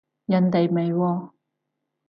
人哋咪哦